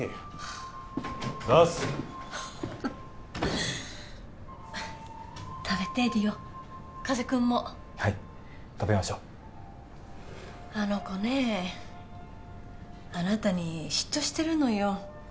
あざっす食べて梨央加瀬君もはい食べましょうあの子ねえあなたに嫉妬してるのよ